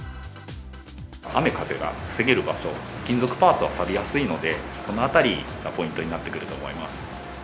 雨風が防げる場所、金属パーツはさびやすいので、そのあたりがポイントになってくると思います。